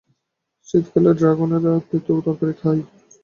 শীতকালে ড্রাগনেরা তেঁতো তরকারি খায়!